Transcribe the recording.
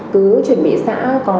cứ chuẩn bị xã có